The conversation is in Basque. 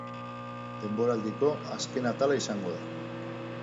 Denboraldiko azken atala izango da.